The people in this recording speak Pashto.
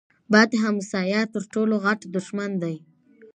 بد همسایه تر ټولو غټ دښمن دی.